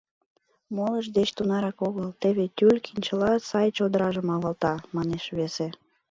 — Молыж деч тунарак огыл, теве Тюлькин чыла сай чодыражым авалта, — манеш весе.